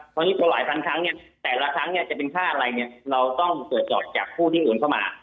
เพราะนี้พอหลายพันครั้งเนี่ยแต่ละครั้งเนี่ยจะเป็นค่าอะไรเนี่ยเราต้องตรวจสอบจากผู้ที่โอนเข้ามา